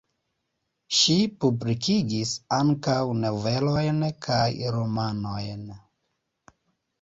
Ŝi publikigis ankaŭ novelojn, kaj romanojn.